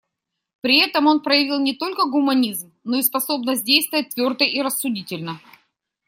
При этом он проявил не только гуманизм, но и способность действовать твердо и рассудительно.